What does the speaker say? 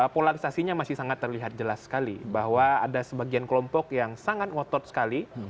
polarisasinya masih sangat terlihat jelas sekali bahwa ada sebagian kelompok yang sangat ngotot sekali